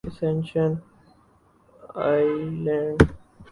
ascension island